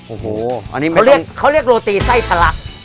โอ้โหอันนี้เขาเรียกโรตีไส้ทะลัก